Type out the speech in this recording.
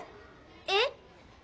えっ！？